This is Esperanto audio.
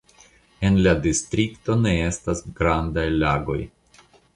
En la distrikto ne estas grandaj lagoj.